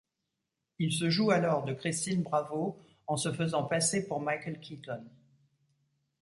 Il se joue alors de Christine Bravo en se faisant passer pour Michael Keaton.